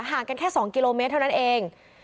กันแค่๒กิโลเมตรเท่านั้นเอง